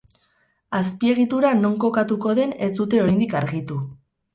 Azpiegitura non kokatuko den ez dute oraindik argitu.